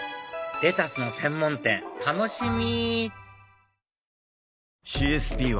レタスの専門店楽しみ！